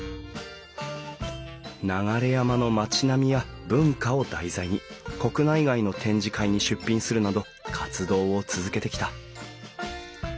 流山の町並みや文化を題材に国内外の展示会に出品するなど活動を続けてきた。